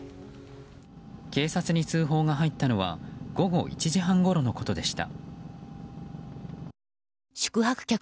警察に通報が入ったのは午後１時半ごろのことでした。